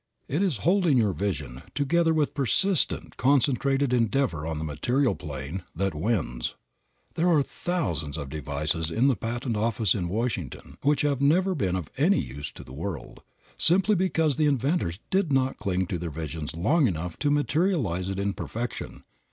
It is holding your vision, together with persistent, concentrated endeavor on the material plane, that wins. There are thousands of devices in the patent office in Washington which have never been of any use to the world, simply because the inventors did not cling to their vision long enough to materialize it in perfection.